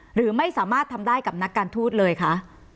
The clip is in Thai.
หรือไม่สามารถทำได้กับนักการทูตเลยคะ